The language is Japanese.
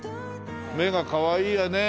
目がかわいいね。